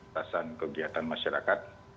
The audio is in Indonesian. dasar kegiatan masyarakat